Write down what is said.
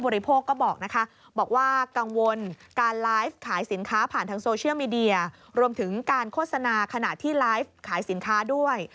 รวมถึงการโฆษณาขณะที่ไลฟ์ขายสินค้าด้วย